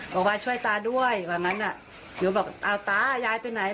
บอกว่าช่วยตาด้วยหรือบอกเอาตาย้ายไปไหน